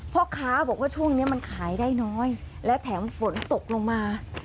พ่อค้าบอกว่าช่วงนี้มันขายได้น้อยและแถมฝนตกลงมา